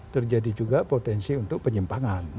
terjadi juga potensi untuk penyimpangan